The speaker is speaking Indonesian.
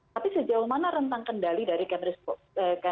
tapi sejauh mana rentang kendali dari kandikut riesk